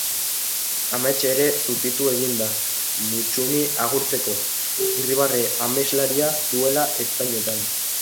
Amets ere zutitu egin da, Mutsumi agurtzeko, irribarre ameslaria duela ezpainetan.